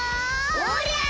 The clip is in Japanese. おりゃあ！